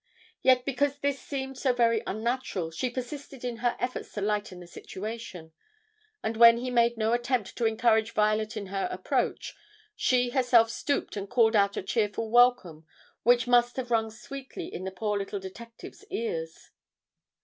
Yet because this seemed so very unnatural, she persisted in her efforts to lighten the situation, and when he made no attempt to encourage Violet in her approach, she herself stooped and called out a cheerful welcome which must have rung sweetly in the poor little detective's ears.